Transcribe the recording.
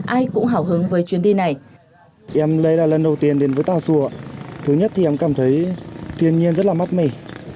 ai cũng hào hứng với chuyến đi này